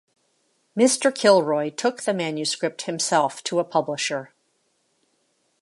Mr. Kilroy took the manuscript himself to a publisher.